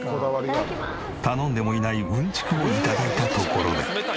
頼んでもいないうんちくを頂いたところで。